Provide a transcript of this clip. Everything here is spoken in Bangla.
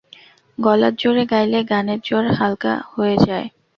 গলার জোরে গাইলে গানের জোর হালকা হয়ে যায়।